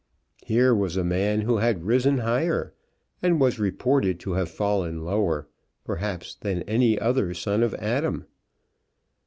Here was a man who had risen higher and was reported to have fallen lower, perhaps than any other son of Adam.